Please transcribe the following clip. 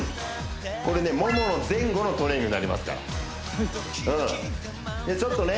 これねモモの前後のトレーニングになりますからちょっとね